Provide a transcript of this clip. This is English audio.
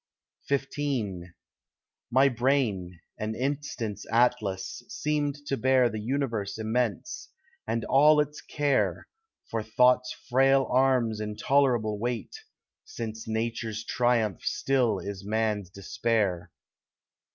XV My brain, an instant's Atlas, seemed to bear The Universe immense, and all its care; For thought's frail arms intolerable weight, Since Nature's triumph still is Man's despair.